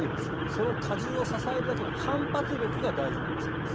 その荷重を支えるだけの反発力が大事なんだそうです。